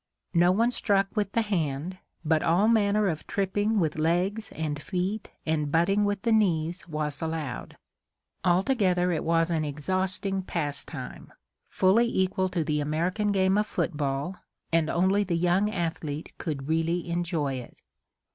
No one struck with the hand, but all manner of tripping with legs and feet and butting with the knees was allowed. Altogether it was an exhausting pastime fully equal to the American game of football, and only the young athlete could really enjoy it.